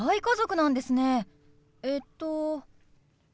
えっと？